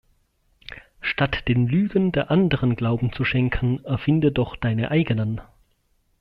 Statt den Lügen der Anderen Glauben zu schenken erfinde doch deine eigenen.